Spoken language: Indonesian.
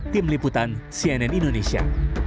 tim liputan cnn indonesia